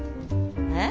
えっ？